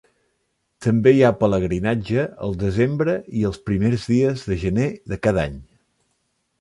També hi ha pelegrinatge al desembre i els primers dies de gener de cada any.